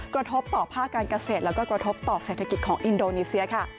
กระทบต่อภาคการเกษตรแล้วก็กระทบต่อเศรษฐกิจของอินโดนีเซียค่ะ